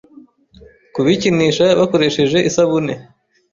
ku bikinisha bakoresheje isabune